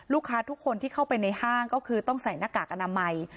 ลูกค้าทุกคนที่เข้าไปในห้างก็คือต้องใส่หน้ากากอนามัย